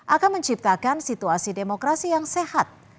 akan menciptakan situasi demokrasi yang sehat